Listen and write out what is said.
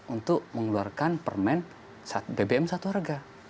untuk mengeluarkan permen bbm satu harga